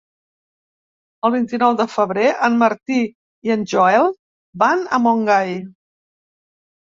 El vint-i-nou de febrer en Martí i en Joel van a Montgai.